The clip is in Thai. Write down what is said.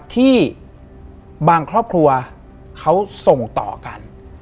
ที่บางครอบครัวเขาส่งต่อกัน